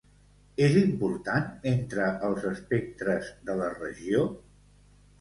És important entre els espectres de la regió?